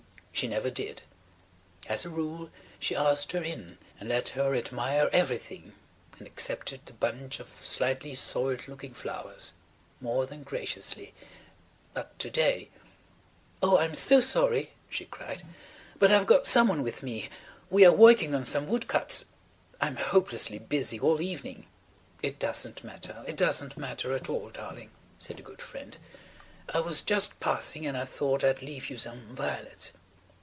She never did. As a rule she asked her in and let her admire everything and accepted the bunch of slightly soiled looking flowers–more than graciously. But to day ... "Oh, I am so sorry," she cried. "But I've got someone with me. We are working on some wood cuts. I'm hopelessly busy all evening." "It doesn't matter. It doesn't matter at all, darling," said the good friend. "I was just passing [Page 155] and I thought I'd leave you some violets."